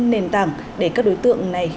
nền tảng để các đối tượng này